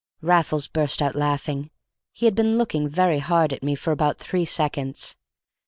Raffles burst out laughing; he had been looking very hard at me for about three seconds.